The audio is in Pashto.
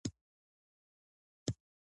نااميدي ګناه ده